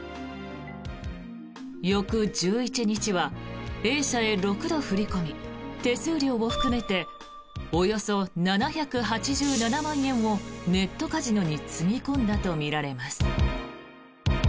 翌１１日はＡ社へ６度振り込み手数料を含めておよそ７８７万円をネットカジノにつぎ込んだとみられます。